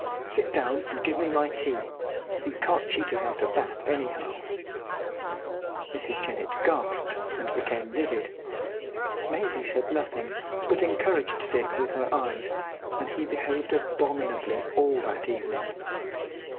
Sit down and give me my tea. You can't cheat us out of that, anyhow." Mrs. Jennett gasped and became livid. Maisie said nothing, but encouraged Dick with her eyes, and he behaved abominably all that evening.